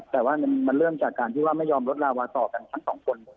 แต่ว่ามันเริ่มจากการที่ว่าไม่ยอมลดลาวาต่อกันทั้งสองคน